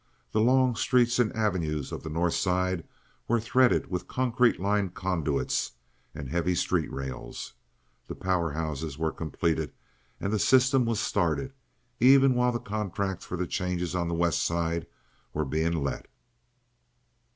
The long streets and avenues of the North Side were threaded with concrete lined conduits and heavy street rails. The powerhouses were completed and the system was started, even while the contracts for the changes on the West Side were being let.